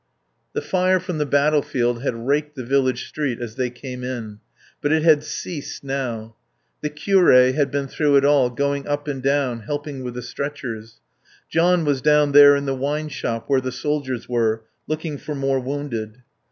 The fire from the battlefield had raked the village street as they came in; but it had ceased now. The curé had been through it all, going up and down, helping with the stretchers. John was down there in the wine shop, where the soldiers were, looking for more wounded.